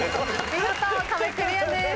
見事壁クリアです。